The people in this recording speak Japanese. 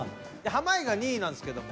濱家が２位なんですけども。